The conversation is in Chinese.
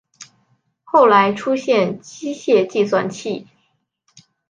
后来出现机械计算器。